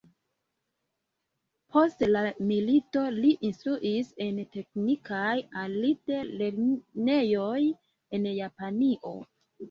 Post la milito li instruis en teknikaj alt-lernejoj en Japanio.